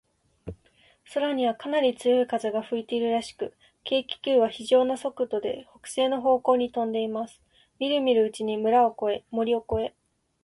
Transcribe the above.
空には、かなり強い風が吹いているらしく、軽気球は、ひじょうな速度で、北西の方向にとんでいます。みるみるうちに村を越え、森を越え、